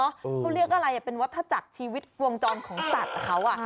เขาเรียกอะไรเป็นวัฒนาจักรชีวิตวงจรของสัตว์เขา